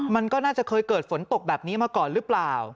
มันก็น่าจะเคยเกิดฝนตกแบบนี้มาก่อนหรือเปล่า